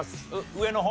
上の方？